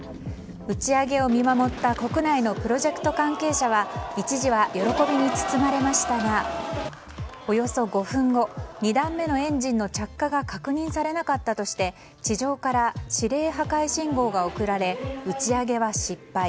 打ち上げを見守った国内のプロジェクト関係者は一時は喜びに包まれましたがおよそ５分後２段目のエンジンの着火が確認されなかったとして地上から指令破壊信号が送られ打ち上げは失敗。